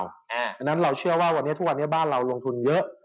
เพราะฉะนั้นเราเชื่อว่าวันนี้ทุกวันนี้บ้านเราลงทุนเยอะ